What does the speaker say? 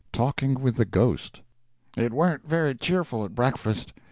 TALKING WITH THE GHOST It warn't very cheerful at breakfast.